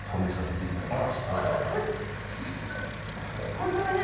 本当はね